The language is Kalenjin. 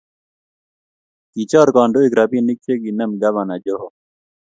Kichor kandoik rabinik ce kinem Gavana Joho